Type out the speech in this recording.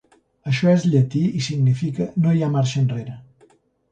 Això és llatí i significa "no hi ha marxa enrere".